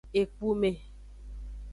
Ekpume.